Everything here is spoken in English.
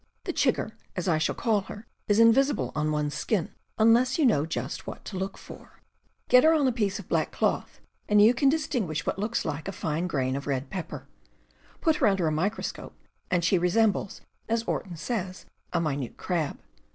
The chigger, as I shall call her, is invisible on one's skin, unless you know just what to look for. PESTS OF THE WOODS 173 Get her on a piece of black cloth, and you can dis tinguish what looks like a fine grain of red pepper. Put her under a microscope, and she resembles, as Orton says, a minute crab.